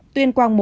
tuyên quang một